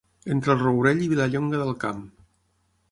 Entre el Rourell i Vilallonga del Camp.